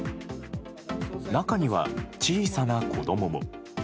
中には小さな子供も。